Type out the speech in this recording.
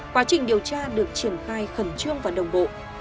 quá trình điều tra được triển khai khẩn trương và đồng bộ